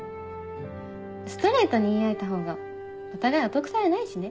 ストレートに言い合えたほうがお互い後腐れないしね。